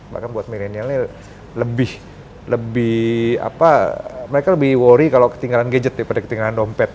bahkan buat milenial ini lebih apa mereka lebih worry kalau ketinggalan gadget daripada ketinggalan dompet